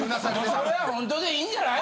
それはほんとでいいんじゃない？